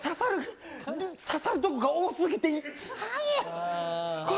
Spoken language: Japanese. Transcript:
刺さるところが多すぎて。